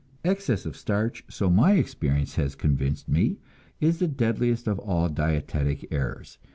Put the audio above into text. Excess of starch, so my experience has convinced me, is the deadliest of all dietetic errors.